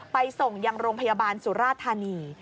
ไปส่งยังโรงพยาบาลสุราธานี